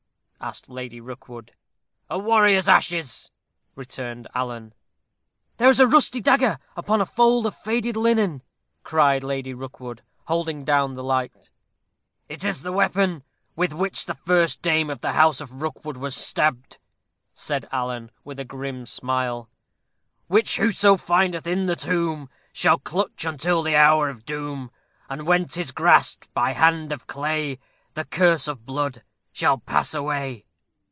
asked Lady Rookwood. "A warrior's ashes," returned Alan. "There is a rusty dagger upon a fold of faded linen," cried Lady Rookwood, holding down the light. "It is the weapon with which the first dame of the house of Rookwood was stabbed," said Alan, with a grim smile: "Which whoso findeth in the tomb Shall clutch until the hour of doom; And when 'tis grasped by hand of clay, The curse of blood shall pass away.